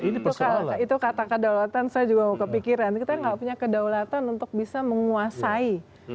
ternyata kita tidak punya kedaulatan untuk menguasai